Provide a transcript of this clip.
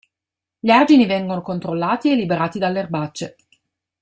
Gli argini vengono controllati e liberati dalle erbacce.